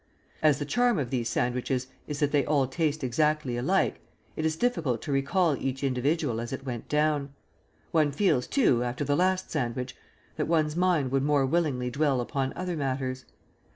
As the charm of these sandwiches is that they all taste exactly alike, it is difficult to recall each individual as it went down; one feels, too, after the last sandwich, that one's mind would more willingly dwell upon other matters.